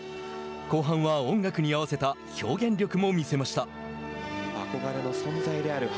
後半は音楽に合わせた表現力も見せました。